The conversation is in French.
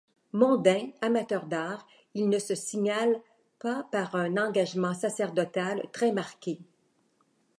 Mondain, amateur d'art, il ne se signale pas par un engagement sacerdotal très marqué.